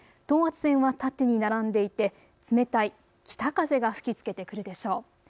等圧線は縦に並んでいて冷たい北風が吹きつけてくるでしょう。